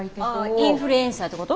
インフルエンサーってこと？